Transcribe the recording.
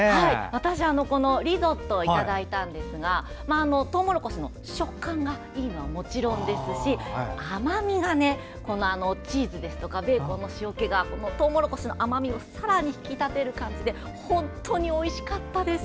私はリゾットいただいたんですがトウモロコシの食感がいいのはもちろん甘みがチーズですとかベーコンの塩気がトウモロコシの甘みをさらに引き立てる感じで本当においしかったです。